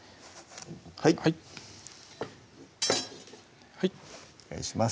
はいはいお願いします